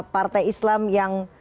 partai islam yang